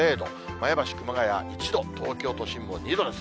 前橋、熊谷１度、東京都心も２度です。